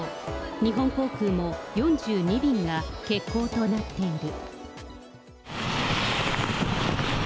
日本航空も４２便が欠航となっている。